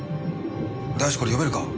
大志これ読めるか？